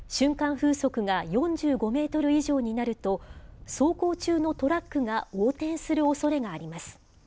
風速が４５メートル以上になると、走行中のトラックが横転するおそれがあります。